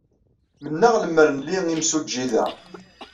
Mennaɣ lemmer nli imsujji da.